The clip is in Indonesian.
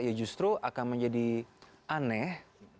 ya justru akan menjadi aneh